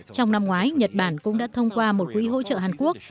trong năm ngoái nhật bản cũng đã thông qua một quỹ hỗ trợ hàn quốc